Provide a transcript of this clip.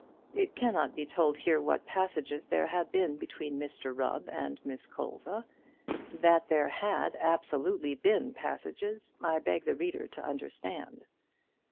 It cannot be told here what passages there had been between Mr Rubb and Miss Colza. That there had absolutely been passages I beg the reader to understand.